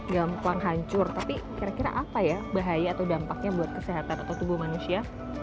gampang hancur tapi kira kira apa ya bahaya atau dampaknya buat kesehatan atau tubuh manusia